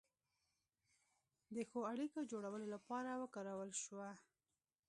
د ښو اړیکو جوړولو لپاره وکارول شوه.